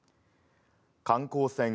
観光船